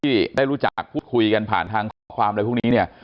ที่ได้รู้จักพูดคุยกันผ่านทางข้อความอะไรพวกนี้เนี่ย